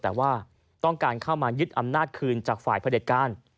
แต่ว่าต้องการเข้ามายึดอำนาจคืนจากฝ่ายผลิตการ